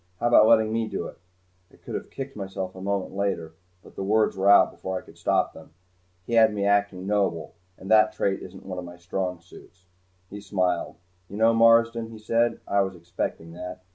"How about letting me do it?" I could have kicked myself a moment later, but the words were out before I could stop them. He had me acting noble, and that trait isn't one of my strong suits. He smiled. "You know, Marsden," he said, "I was expecting that."